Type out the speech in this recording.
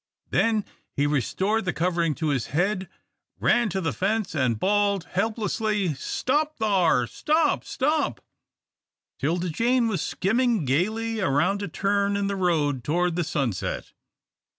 Then he restored the covering to his head, ran to the fence, and bawled, helplessly, "Stop thar stop! Stop!" 'Tilda Jane was skimming gaily around a turn in the road toward the sunset.